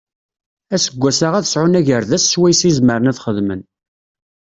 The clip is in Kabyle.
Aseggas-a ad sɛun agerdas swayes i zemren ad xedmen.